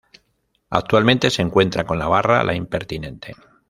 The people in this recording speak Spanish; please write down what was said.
Actualmente se cuenta con la barra "La Impertinente".